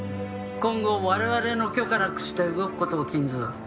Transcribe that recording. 「今後我々の許可なくして動く事を禁ず」